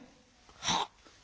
はっ。